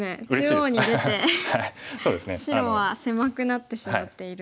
中央に出て白は狭くなってしまっているので。